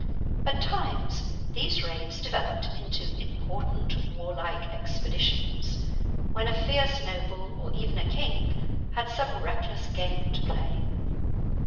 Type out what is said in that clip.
At times these raids developed into important warlike expeditions, when a fierce noble, or even a king, had some reckless game to play.